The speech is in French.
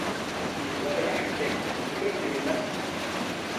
Le temps est l'architecte, le peuple est le maçon.